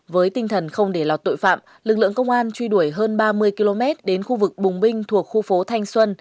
với tinh thần không để lọt tội phạm lực lượng công an truy đuổi hơn ba mươi km đến khu vực bùng binh thuộc khu phố thanh xuân